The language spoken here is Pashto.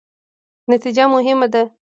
نتیجه مهمه ده